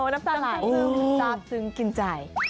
น้ำตาหงทราบซึ้งกินใจ